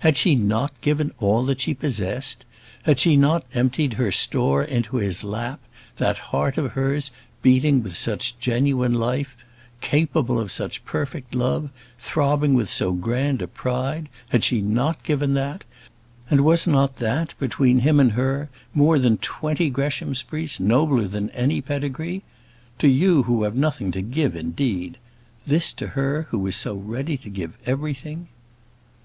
Had she not given all that she possessed? Had she not emptied his store into his lap? that heart of hers, beating with such genuine life, capable of such perfect love, throbbing with so grand a pride; had she not given that? And was it not that, between him and her, more than twenty Greshamsburys, nobler than any pedigree? "To you who have nothing to give," indeed! This to her who was so ready to give everything!